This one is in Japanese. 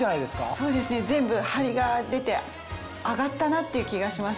そうですね随分張りが出て上がったなっていう気がします。